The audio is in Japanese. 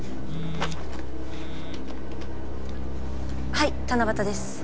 はい七夕です。